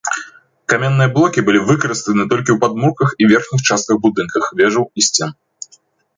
Каменныя блокі былі выкарыстаны толькі ў падмурках і верхніх частках будынкаў, вежаў і сцен.